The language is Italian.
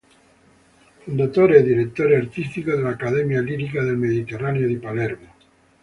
Fondatore e Direttore Artistico dell'Accademia Lirica del Mediterraneo di Palermo.